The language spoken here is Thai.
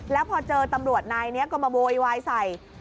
แล้วพอเจอตำรวจนายนี้ก็มาโวยวายใส่